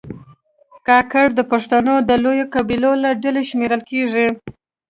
کاکړ د پښتنو د لویو قبیلو له ډلې شمېرل کېږي.